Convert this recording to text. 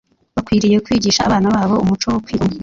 Bakwiriye kwigisha abana babo umuco wo kwigomwa